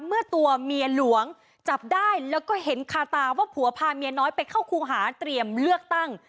เมื่อตัวเมียหลวงจับได้แล้วก็เห็นคาตาว่าผัวพาเมียน้อยไปเข้าครูหาเตรียมเลือกตั้ง